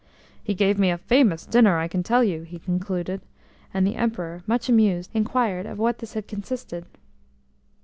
"He gave me a famous dinner, I can tell you," he concluded, and the Emperor, much amused, inquired of what this had consisted.